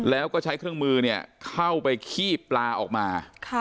แล้วก็ใช้เครื่องมือเข้าไปขี้ปลาออกมา